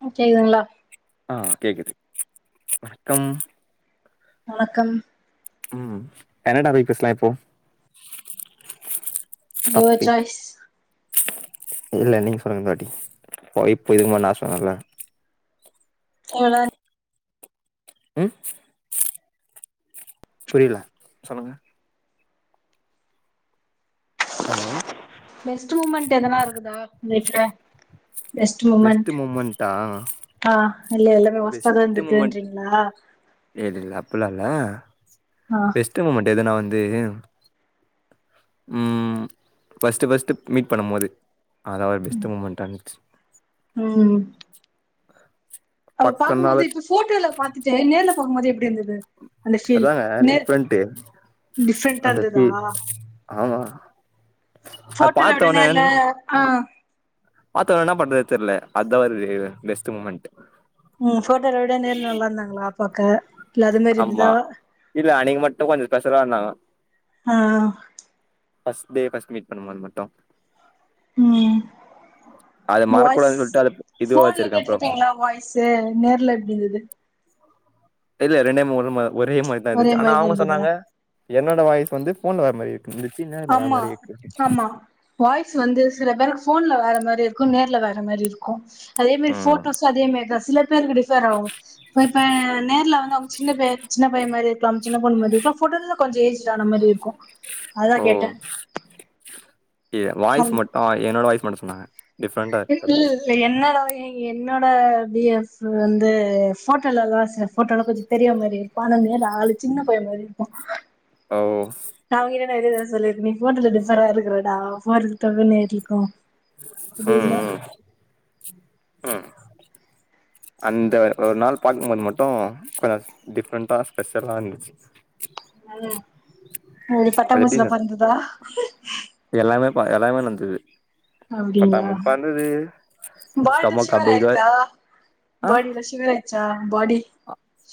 கேக்குதுங்களா ஆ கேக்குது வணக்கம் வணக்கம் ம் கன்னடா [unintelligible] எப்போ யுவர் சாய்ஸ் இல்ல நீங்க சொல்லுங்க இந்த வாட்டி இப்போ இது முன்னாடி நான் சொன்னல ஓனர் ம் புரில சொல்லுங்க ஹலோ பெஸ்ட் மூமண்ட் எதனா இருக்குதா லைஃப்ல பெஸ்ட் மூமெண்ட் ஆ இல்ல எல்லாமே வொஸ்டாதா பெஸ்ட் மூமெண்ட் இருந்துருக்குன்றீங்களா இல்ல அப்பில்லா இல்ல பெஸ்ட் மூமெண்ட் எதுனா வந் ந்து ம் ஃபஸ்ட்டு ஃபஸ்ட்டு மீட் பண்ணம் போது அதா ஒரு பெஸ்ட் மூமண்டா இருந்துச்சு அவ பாக்கும் பக்கனால போது இப்ப போட்டோல பாத்துட்ட நேர்ல போகம் போது எப்டி இருந்தது து அந்த ஃபீல் அதாங்க நேர் டிஃப்ரெண்ட்டு டிஃப்ரெண்டா அந்த இருந்துதா ஃபீல் ஆமா அது ஃபோட்டோல விட நேர்ல ஆ பாத்தொன்ன என்ன பண்றதே தெர்ல அதா ஒரு பெஸ்ட் மூமெண்ட் ம் ஃபோட்டோல விட நேர்ல நல்லா இருந்தாங்களா பாக்க இல்ல அது மாரி இருந்துதா இன்னு கொஞ்சோ ஸ்பெஷலா இருந்தாங்க ஆ ஃபஸ்ட் டே ஃபஸ்ட் மீட் பண்ணும்போது மட்டு ம் அத உங்க வாய்ஸ் மறக்கூடாதுன்னு சொல்லிட்டு அத இதுவா ஃபோன்ல வச்சிருக்கே ப்ரோ கேட்டிருப்பீங்களா வாய்ஸ்ஸு நேர்ல எப்டி இருந்தது இல்ல ரெண்டே [unintelligible] ஒரே மாரிதா ஒரே இருந்துச்சு ஆனா மாரிதா அவங்க இருந்ததா சொன்னாங்க என்னோட வாய்ஸ் வந்து ஃபோன்ல வேற மாரி இரு ஆமா ஆமா வாய்ஸ் வந்து சில பேருக்கு ஃபோன்ல வேற மாரி இருக்கு நேர்ல வேற மாரி இருக்கு அதே மாரி ம் ஃபோட்டோஸு அதே மாரிதா சில பேர் [unintelligible] சேர் அவங் ஒருத்த நேர்ல வந்து அவங்க சின்ன பைய சின்ன பைய மாரி இருக்கலாம் சின்ன பொண்ணு மாரி இருக்கலா ஃபோட்டோ கொஞ்ச ஏஜ்டு ஆன மாரி இருக்கு அதா கேட் யே வாய்ஸ் மட்டு என்னோட வாய்ஸ் மட்டு சொ ன்னே இல் இல்ல என்னோட [unintelligible] என்னோட பி எஃப் வந்து ஃபோட்டோல எல்லா சில ஃபோட்டோல கொஞ்ச பெரியவ மாரி இருப்பா ஆனா நேர்ல ஆளு சின்ன பைய மாரி இருப்பா ஓ நா அவங்கிட்ட நெறைய தடவ சொல்லிருக்க நீ ஃபோட்டோல டிஃபரா இருக்கிறடா [unintelligible] ஏறிக்கு அப்டினா ம் ம் ம் அந்த ஒரு நாள் பாக்கும்போது மட்டு கொஞ்ச டிஃப்ரெண்ட்டா ஸ்பெஷலா இருந்துச்சு நல்லா உங்களுக்கு அது பட்டாம்பூச்சிலா எப்டி பறந்துதா ஹ [inaudible] ப்பா எல்லாமே நடந்தது அப்டிங்களா பட்டாம்பூச்சி பறந்தது பாடிலா ஸ்டொமக் சிவர் அப்டி இதுவா ஆயிருக்கா ஆ பாடிலா சிவர் ஆயிட்ச்சா பாடி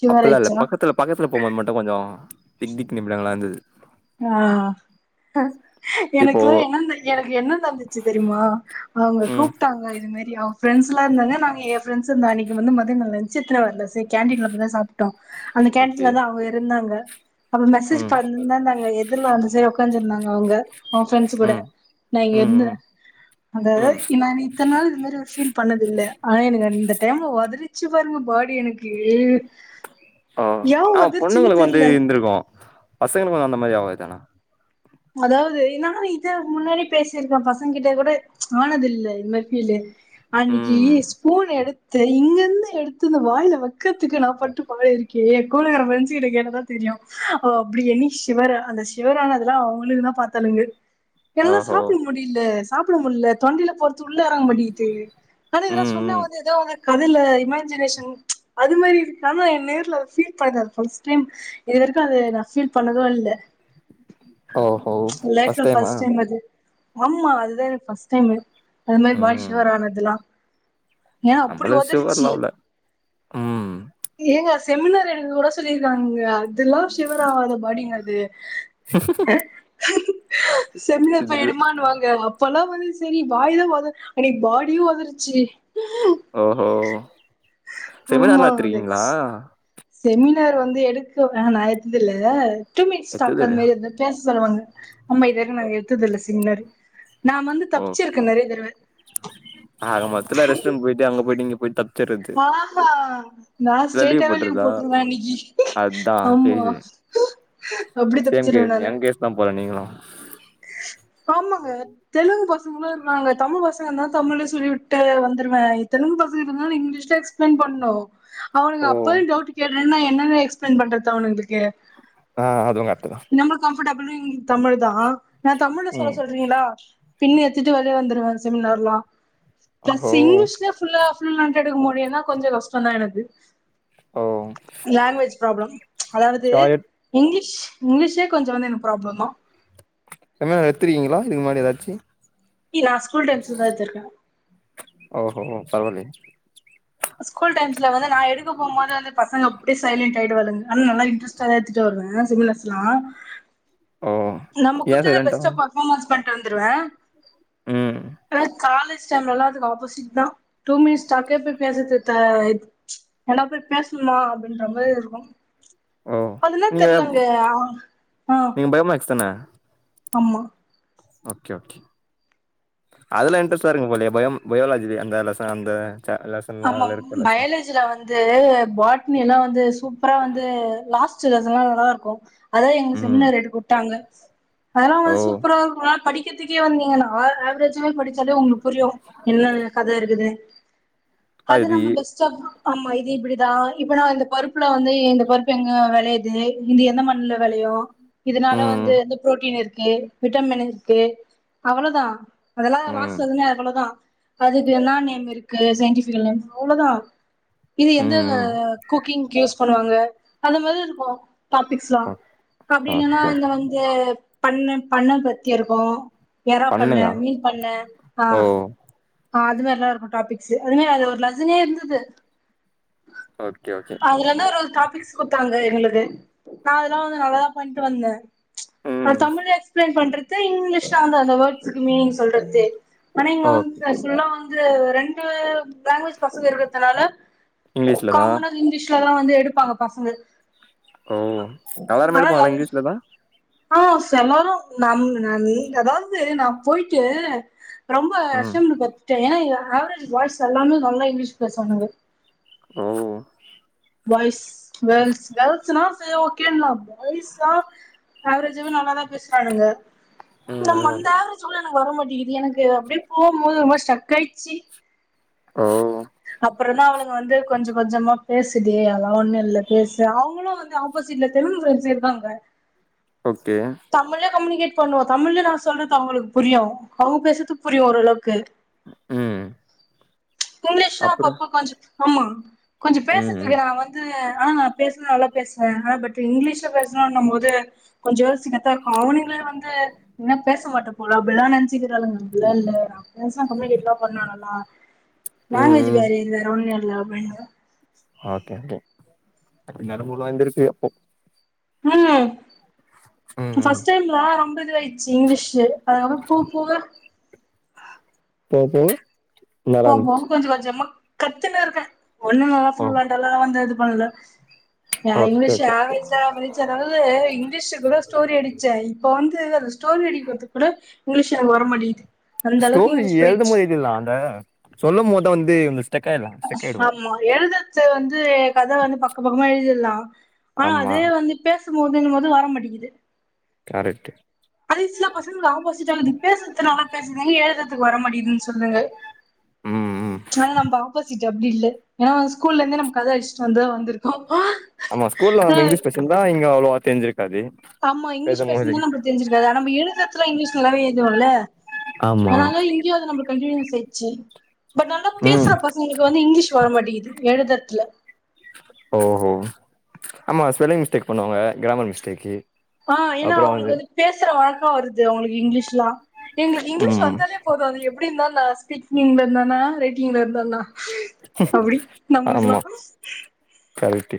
சிவர் அப்பல்லா ஆயிட்ச்சா திக்திக் நிமிடங்களா இருந்தது ஆ இப்போ எனக்குல்லா என்ன நட எனக்கு என்ன நடந்துச்சு தெரியுமா அவங்க ம் கூப்ட்டாங்க இது மாரி ஆ ஃப்ரெண்ட்ஸ்லா இருந்தாங்க நாங்க யேன் ஃப்ரெண்ட்ஸ் இருந்தாங்க அன்னைக்கி வந்து மதியோ நா லன்ச் எடுத்துனு வர்ல சேரி கேண்டீன்ல போய்தா சாப்ட்டோ அந்த ஓகே கேண்டீன்லதா அவங்க இருந்தாங்க அப்ப மெசேஜ் ம் பண்ணே நா எதிர்ல அந்த சைடுல ஒக்காண்ஜூ இருந்தாங்க அவுங்க அவுங்க ஃப்ரெண்ட்ஸ் கூட ம் நா இங்க ம் இருந்தே ம் அந்த ம் நானு இத்தன் நாள் இது மாரி ஒரு ஃபீல் பண்ணது இல்ல ஆனா எனக்கு அந்த டைம்ல ஒதருச்சு பா ருங்க பாடி எனக்கு ஆ ஏ ஆமா ஒதருச்சுன்னு பொண்ணுகளுக்கு வந்து தெர்ல இருந்துருக்கு பசங்களுக்கு அந்த மாரி ஆவாது ஆனா அதாவது நா இதுக்கு முன்னாடி பேசிருக்கே பசங்க கிட்ட கூட ஆனதுல்ல இது மாரி ஃபீலு அன்னக்கி ம் ஸ்பூன் எடு த்து இங்க இருந்து எடுத்து இந்த வாயில வக்கிறத்துக்கு நா பட்ட பாடு இருக்கே கூட வர ஃப்ரெண்ட்ஸ் கிட்ட கேட்டாதா தெரியு அப்டி எண்ணி சிவர அந்த சிவரானதுல்லா அவளுகுதா பாத்தாளுங்க என்னால ஓஹோ சாப்பிட முடியல சாப்பிட முடியல தொண்டில பொறுத்த உள்ள இறங்க மாட்டேங்குது ஆனா இதல்லா ம் சொன்னா ம் வந்து எதோ ஒரு கதுல்ல இமேஜினேஷன் அது மாரி இருக்கானா ஏ நேர்ல ஃபீல் பண்ணது ஃபர்ஸ்ட் டைம் இது வரைக்கு அது நா ஃபீல் பண்ணது இல்ல ஓஹோ லைஃப்ல ஃபர்ஸ்ட் டைமா ஃஸ்ட்டு டைம் வந்து ஆமா அதுதா எனக் ஃபஸ்ட் டைமு அது மாரி ம் பாடிஷவரனதுல்லா ஏன்னா அப்பிடி நம்மளுக்கு ஒதர்ருச்சி ஷுகர்லா இல்ல ம் ஏங்க செமினார் எடுக்க கூட சொல்லிருக்காங்க இதுலா சிவர் ஆவாதபாடீங்க அது செமினார் போய் இது எடுமான்னுவாங்க ப்பல்லா வந்து சரி வாய்தா ஒத அன்னிக்கு பாடியு ஒதரிச்சி ஓ ஓஹோ ஆமா செமினார்லா அது எத்திருக்கீங்களா செமினார் வந்து எடுக்கவே நா எடுத்ததுல்ல எத்தது இல்லையா [unintelligible] சொல்லுவாங்க ஆமா இதுவரைக்கு நா எடுத்தது இல்ல செமினார் [inaudible] நா வந்து ஓ தப்பிச்சிருக்கே நெறைய தடவ த்துல ரெஸ்டர் ரூம் போயிட்டு அங்க போயிட்டு இங்க போயிட்டு தப் மா ஆஹ நா இல்ல லீவ் ஸ்டேட்டாவே லீவு போட்றதா போட்டுருவே இன்னிக்கு அதா ஆமா தெரியுது அப்பிடி சேம் தப்பிச்சிருவே கேஸ் எ நானு கேஸ் தா போல நீங்களு ஆமாங்க தெலுங்கு பசங்களா இருக்காங்க தமிழ் பசங்க இருந்தா தமிழே சொல்லிவிட்டு வந்துருவே தெலுங்கு பசங்க இருந்தால இங்கிலீஷ்லே எக்ஸ்பிளைன் பண்ணு ஓ அவனுங்க அப்ப டவுட் கேட் ஏன்னா என்னென்னு எக்ஸ்பிளைன் பண்றது அவகளுக்கு ஆ அது கரெக் நம்லுக் கம்ஃபர்டப் ப்புரிங் தமிழ்தா நா தமிழ்ல சொல்ல ம் சொல்றீங்களா பின்ன எடுத்திட்டு வெளியே வந்துடுவேன் செமினார்லாம் ப்ளஸ் ஓ இங்கிலீஷ்ல ஃபுல்லா எடுக்க முடியும்ன்னா கொஞ்சம் கஷ்டம் தான் எனக்கு ஓ பிரப்ளம் அதாவது ஷாயட் இங்கிலீஷ் இங்கிலீஷே கொஞ்சம் வந்து எனக்கு ப்ராப்ளம் தான் செம்ம எடுதிருக்கீங்களா இதுக்கு முன்னாடி ஏதாச்சும் இ நான் ஸ்கூல் டைம்ஸ்ல வச்சு இருக்கேன் ஓஹோ பரவாயில்லையே ஸ்கூல் டைம்ஸ்ல வந்து நான் எடுக்க போகும்போது வந்து பசங்க அப்படியே சைலண்டட் ஆகிடுவாங்க ஆனா நல்லா இன்டரெ்ட்டா தான் எத்துட்டு வருவேன் செமினார்ஸ் எல்லா ஓ நம்ம ஏ குத்திர சைலண்ட் பெஸ்ட் ஆவு பர்ஃபாமன்ஸ் பண் வந்துடுவேன் ம் ஆ காலேஜ் டைம் நல்ல அதுக்கு ஆப்போசிட் தான் டூ மினிட்ஸ் அப்டியே போய் பேசிரத்துல எல்லா போய் பேசணுமா அப்டின்ற மாரி இருக்கு ஓ அதுல்லாம் நீங்க தெர்ல்லங்க ஆஹ் நீங்க பயோமேக்ஸ் தான ஆம்மா ஓகே ஓகே அதுல இன்ட்ரெஸ்ட் தான் இருக்குது போலயே பயோலஜி அந்த இதுல ஆமா பயாலஜில வந் து பாட்னின்னா வந்து சூப்பரா வந்து லாஸ்ட் சதுல்லா நல்லா இருக்கு அதான் எங்க ம் செமினார் எடுக்க வுட்டாங்க [inaudible] அதல்லாம் ஓ வந்து சூப்பரா இருக்கும் படி கத்துக்கே வந்தீங்கன்னா ஆவரேஜா படிச்சாலே உங்களுக்கு புரியும் என்ன கதை இருக்குதுனு அது நம்ம பெஸ்ட ஆஃப் ஆமா இது இப்டிதான் இப்பனா வந்து இந்த பருப்புல வந்து இந்த பருப்பு எங்க விளையுது இந்த எந்த மண்ணுல விளையும இதனால வந்து ம் எந்த பு்ரோட்டீன் இருக்கு விட்டமின் இருக்கு அவ்ளதா அதெல்லா ம் லாஸ்ல இதுங்க அவ்ளதா அதுக்கு என்னா நேம் இருக்கு சன்டிபி [unintelligible] அவ்ளதா இது எந்த ம் ஆ குக்கிங்கு யூஸ் பண்ணுவாங்க அந்த மாரி லா இருக்கு டாபிக்ஸ்ல்லா ஓகே அப்டி இல்லன்னா ஓகே இந்த வந்து பண்ண பண்ணா பத்தி இருக்கு எறா பண்ண பண்ணையா மீன் பண்ண ஆ ஓ ஆ அது நல்ல இருக்கு டாபிக்ஸு அதுமே அது மாரி அது ஒரு லசனே இருந்தது ஓகே ஓகே அதுல என்ன ஒரு டாபிக்ஸ் குடுத்தாங்க எங்களுக்கு நா அதெல்லா வந்து நல்லாதா பண்ட்டு வந்தே அது ம் தமிழ்ல எக்ஸ்பிளைன் பண்ற து இங்கிலீஷ் அந்தந்த வேர்ட் ஸ் மீனிங் சொல்றது ஆனா இங்க வந் ஓகே ஆக்சுவலா வந்து ரெண்டு லாங்குவேஜ் பசங்க இருகதுனால இங்கிலீஷ்ல தா காமனா இங்கிலீஷ் [unintelligible] வந்து எடுப்பாங்க பசங்க ஓ எல்லாருமே ஆனா எடுப்பாங்களா இங்கிலீஷ்ல தா ஆ செலரு நம் நம் அதாவது நா போயிட்டு ரொம்ப ம் பத்துடா ஏனா ஆவரேச் பாய்ஸ் எல்லாமே நல்லா இங்கிலீஷ் பேசுவானுங்க ஓ பாய்ஸ் கேர்ள்ஸ் கேர்ள்ஸ்னா சேர் ஓகேங்ளா பாய்ஸ் லா அவரேஜாவ நல்லாதா பேசுறானுங்க ம் நம் ம் வந்தாலு சொல்லலா வர மாட்டிக்குது எனக்கு அப்படியே போகும்போது ஒரு மாரி ஸ்டக் காடுச்சு ஓ அப்புறோ தா அவனுங்க வந்து கொஞ்சோ கொஞ்சமா பேசுடி அதுலா ஒண்ணு இல்ல பேசு அவங்களு வந்து ஆப்போசிட்ல தெலுங்கு பிரண்ட்ஸ் இருக்காங்க ஓகே தமிழ கம்யூனிகேட் பண்ணுவோ தமிழ்ல நா சொல்றது அவங்களுக்கு புரியு அவங்க பேசறதுக்கு புரியு ஓரளவுக்கு ம் புவனேஷ்லா அப்புறோ அப்பப்ப கொஞ்சோ ஆமா கொஞ்சோ ம் ம் பேசுரதுக்கு நா வந்து ஆனா நா பேசனா நல்லா பேசுவே ஆனா பட் இங்கிலீஷல பேசணும் போது கொஞ்சோ [unintelligible] அவனுங்களே வந்து என்ன பேச மாட்ட போல அப்படியெல்லா ம் நென் [unintelligible] நான்வெஜ் ம் வேற ஏது வேற ஒன்னு லவண் [unintelligible] உம் ம் [unintelligible] ம் பஸ்ட் டைம்ல ரொம்ப இது ஆயிடுச்சு இங்கிலீஷு அதுக்கப்றோ போக போக போ போ [unintelligible] போ போ கொஞ்ச கொஞ்சம்மா கத்துனு இருக்கே [unintelligible] ஓ பல okay English okay average average அதாவது இங்கிலீஷ் கூட ஸ்டோரி அடிச்சே இப்போ அந்த ஸ்டோரி அடிக்குறதுக்கு கூட இங்கிலீஷ் எனக்கு வர மாட்டேங்குது ஸ்டோரி எழுதும்போது எழுதிரலா ல சொல்லம் போதா வந்து மிஸ் ஆமா எழுதுறது வந்து கத வந்து பக்க பக்கமா எழுதிர்லா ஆ ஆ ஆமா அதே வந்து இப்ப போதுனும் போது வர மாட்டேங்குது கரட்டு அது சில பசங்களுக்கு ஆப்போசிட் ஆகுது பேசறதுனால பேசதுங்க ஆனா எழுதுறதுக்கு வர மாட்யுதுன்னு சொல்றாங்க ம் ம் ஆ நம்ப ஆபோசிட் அப்டி இல்ல ஏன்னா ஸ்கூல்ல இருந்தே நம்ம கத அடிச்சட்டு வந்துதா வந்துருக்கோ ஆமா ஸ்கூல்ல நம்ம இங்கிலீஷ் பேசியிருந்தா இங்க அவ்வளவா கேிர [unintelligible] ஆமா இங்கிலீஷ் பேசு தா நம்ம தெரிஞ்சிருக்காது நம்ம எழுதுத்துல இங்லீஷ் நல்லாவே எழுதுவோல்ல ஆமா அதனால இங்கேயே வந்து நம்மளுக்கு கண்டி யூனியஸ் ஆச்சு பட் நல்லா ம் பேசுற பசங்களுக்கு வந்து இங்கிலீஷ் வர மாட்டிங்குது எழுத கத்தல [unintelligible] ஓ ஓ ஆமா ஸ்பெல்லிங் மிஸ்டேக் பண்ணுவாங்க கிராமர் மிஸ்டேக்கு ஆ ஏன்னா அவங்களுக்கு வந்து பேசுற வழக்க வருது அவங்களுக் இங்கிலீஷ்லா எங்க இங்கிலீஷ் ம் வந்தாலே போது அது எப் அப்படி இருந்தானா ஸ்பீக்கிங்ல இருந்தானா ரைட்டிங்ல இருந்தானண்ணா அப்படி நம்பளுகெல்லா டு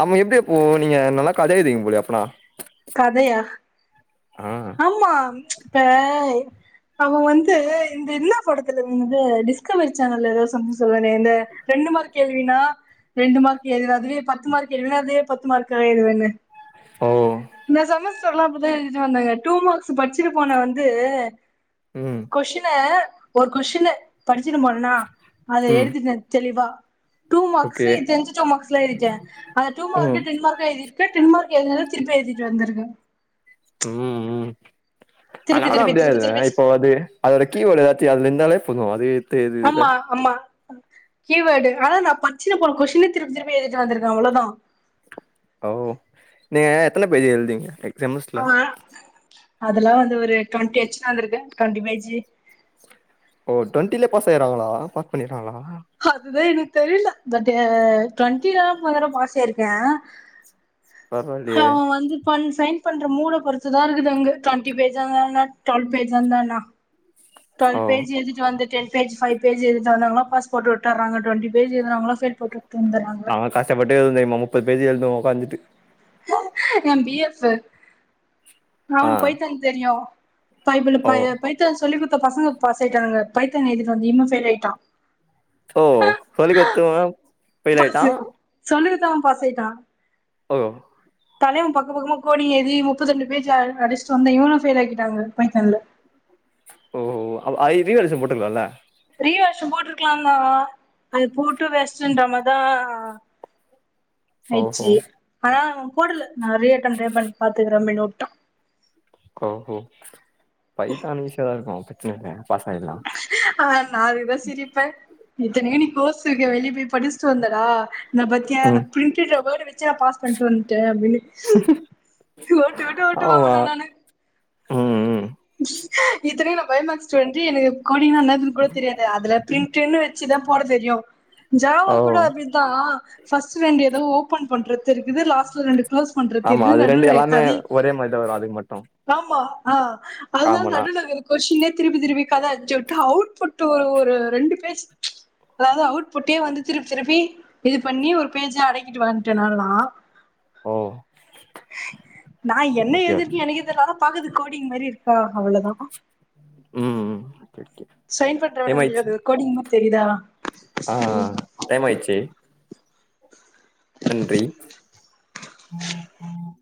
ஆமா எப்படி எப்போ நீங்க நல்லா கத எழுதுவீங்க போலயே அப்பனா கதையா ஆ ஆமா இப்ப அவ வந்து இந்த என்ன படத்துல வந்து டிஸ்கவரி சேனல் ஏதாவ [unintelligible] சொல்வானு இந்த ரெண்டு மார்க் கேள்வினா ரெண்டு மார்க் எழுதுவே அதுவே பத்து மார்க் கேள்வினா அதுவே பத்து மார்க்காக எழுதுவாங்க ஓ ந செமஸ் ச எல்ல எழுதிட்டு தந்தாங்க டூ மார்க்ஸ் படிச்சிட்டு போன வந்து ம் கொஷின ஒரு கொஸ்டின படிச்சட்டு போனான அத ம் எழுதிட்டே தெளிவா டூ மாக்ஸு ஓகே எ தெரிஞ்ச டூ மாக்ஸுலா எழுதிட்டே அந்த டூ ம் மார்க்கு டென் மார்க எழுதிட்டே டென் மார்க் [unintelligible] திருப்பி எழுதிட்டு வந்திருக்க ம் ம் திருப்பி ஆனானு திருப்பி அப்படியா திருப்பி எழுதுவே திருப்பி இப்போ அது அதோட ஒரு கீ வேர்டு ஏதாச்சி அதுல இருந்தாலே [unintelligible] அதே ஆமா ஆமா கீவேர்டு ஆதா நா படிசிட்டு போன கொஷின் திருப்பி திருப்பபி எழுதிட்டு வந்திருக்கே அவ்வளவுதா ஓ நீங்க எத்தன பேஜ் எழுதுவிங்க ர செமஸ்ல ஆ அதெல்லா வந்து ஒரு டூவெண்டி [unintelligible] வந்திருக்கே டூவெண்டி பேஜி ஓ டுவெண்டில்ல பாஸ் ஆயறாங்களா பாஸ் பண்ணிடுறாங்களா அதுதா எனக்கு தெரியல பட்டு டுவெண்டிலால முதல்ல பாஸ்சா இருக்கே பரவாயில்லையே பண் சைன் பண்ற மூட பொறுத்துதா இருக்குது அங்க டுவெண்டி பேஜந்தா டுவல் பேஜ் இருந்தானா ஓ டுவெல் பேஜ் எழுதிட் வந்துட்டு பேஜ்ஃபைவ் பேஜ் எழுதாத வங்களா பாஸ்போர்ட் விட்டுர்றங்க டுவண்டி பேஜ் எழுதுரவங்களா ஃபெயில் போட்டு விட்டு வந்துடுறாங்க நாங்க கஷ்டப்பட்டு எழுதுவோ முப்பது பேஜி எழுதுவோ வந்துட்டு ம்மா என் பிஎஸ் சர் ஆ அவனு போய் தங் தெரியு பைபல் ஓ பய பைத்த சொல்லி குடுத் இப்ப பசங்க பாஸ்ஆயிட்டாங்க பைத்தன் எழுத்தி வந்து இவே ஃபெயில் ஆயிட்டா ஓ சொல்லிக்குடுத்தவ ஃபெயில் ஆயிட்டா அடுத்தவ பாஸ் ஆயிட்டா ஓ தலைவன் பக்க பக்கமா கோடிங்க ஏழுதி முப்பத்தி ரெண்டு பேஜ் அடிச்சிட்டு வந்த இவன்னு ஃபெயில் ஆகிட்டாங்க பைதான்ல ஓ ஐ ரீ வேல்யூஷன் போட்டுக்கலாம்ல்ல த்ரீ வருஷோ போட்டு க்கலாங்க அது போட்டு வேஸ்டன்ற மாரிதா ஓஹோ ஆயிச்சு ஆனா போடல நா ரீ அட்டம்டே பாத்துக்கிறே அப்டின் வுட்டா ஓஹோ பைதான் ஈஸியா தா இருக்கு வச்சிருக்கே ஃபர்ஸ் ஆ நா வித சிரிப்பே இத்தனைக்கு நீ கோர்ஸ்ருக்கே வெளி போய் படி சுந்தரா ன்ந பத்தியா அந்த ம் பிரிண்டாபோடு மச்சா பாஸ் பண்ணிட்டு வந்துட்ட ஓட்டு ஓட்டு ஓட்டுவா ஆமா ஒன்ன நானு ம் இ ம் இத்தனைக்கி நா ஃபைவ்மாக் ஸ்ட்டெண்ட் எனக்கு கோடிங் னா என்னானு கூட கூட தெரியாது அதுல பிரிண்ட்னு ச்சுதா போட தெரியு ஜாவா ஓ கூட அப்டித்தா ஃபஸ்ட் ரெண்டு ஏதோ ஓபன் பண்றது தெரி இது லாஸ்ட்ல ரெண்டு க்ளோஸ் பண்றது ஆமா தெரிது அது ரெண்டு நடுவுல எல்லாமே கதை ஒரே மாரிதா வரு அதுக்கு மட்டு ஆமா ஆ அதுனால காமனா நடுவுல வர கொஷ்டின்னே திருப்பி திருப்பி கத அச்சு உட்டா அவுட்புட்டு ஒரு ஒரு ரெண்டு பேஜ் அதாவது அவுட்புட்டே வந்து திருப்பி திருப்பி இது பண்ணி ஒரு பேஜ அடக்கிட்டு வந்துட்ட நா எல்லா ஓ நா என்ன ஓகே ஓகே எழுதிருக்கே எனக்கே தெர்ல ஆனாப் பாக்குது கோடிங் மாரி இருக்கா அவ்ளோதா ம் ம் ஓகே ஓகே சைன் டைம் பண்றவனுங்கில்யா ஆயிடுச்சு அது ஒரு கோடிங் மாரி தெரிதா ஆ டைம் மாயிச்சு நன்றி